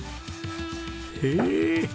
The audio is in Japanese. へえ！